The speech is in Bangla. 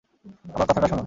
আমার কথাটা শোনো।